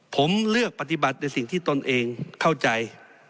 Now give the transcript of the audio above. ผมเลือกปฏิบัติในสิ่งที่ตนเองเข้าใจ